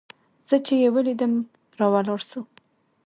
زه چې يې وليدلم راولاړ سو.